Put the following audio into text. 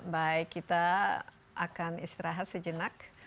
baik kita akan istirahat sejenak